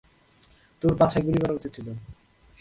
তোর পাছায় গুলি করা উচিত ছিল!